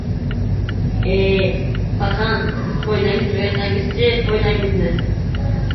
— E-e, paxan, siz foydangizni o‘ylasangiz-chi, foydangizni!